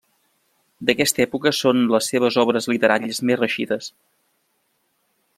D'aquesta època són les seves obres literàries més reeixides.